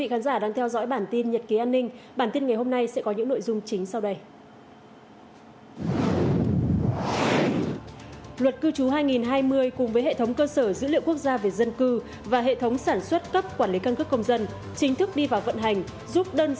hãy đăng ký kênh để ủng hộ kênh của chúng mình nhé